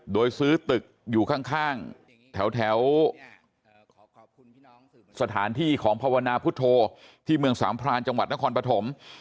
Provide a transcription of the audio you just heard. โดยซื้อตึกอยู่ข้างแถวสถานที่ของภาวนาพุทธโธที่เมืองสามพรานจังหวัดนครปฐม